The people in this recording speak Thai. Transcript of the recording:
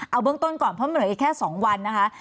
เอาเบื้องต้นก่อนเพราะมันเหลืออีกแค่๒วันนะคะ